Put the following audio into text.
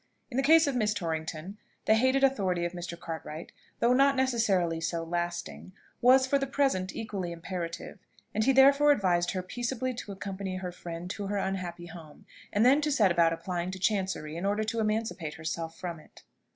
In the case of Miss Torrington, the hated authority of Mr. Cartwright, though not necessarily so lasting, was for the present equally imperative, and he therefore advised her peaceably to accompany her friend to her unhappy home, and then to set about applying to Chancery in order to emancipate herself from it.